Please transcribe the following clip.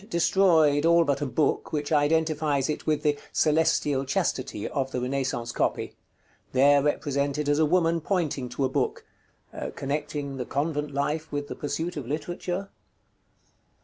_ Destroyed, all but a book, which identifies it with the "Celestial Chastity" of the Renaissance copy; there represented as a woman pointing to a book (connecting the convent life with the pursuit of literature?).